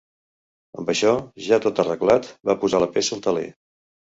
Amb això, ja tot arreglat, van posar la peça al teler.